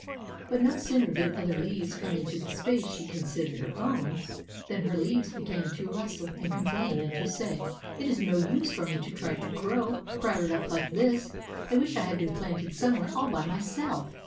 But no sooner did other leaves come into the space she considered her own than her leaves began to rustle and complain and to say: "It is no use for me to try to grow, crowded up like this. I wish I had been planted somewhere all by myself."